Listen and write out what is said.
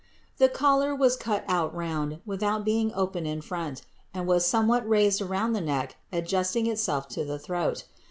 The collar was cut out round, without being open in front, and was somewhat raised around the neck adjusting itself to the throat.